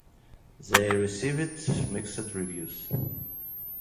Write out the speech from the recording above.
They received mixed reviews.